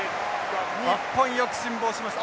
日本よく辛抱しました。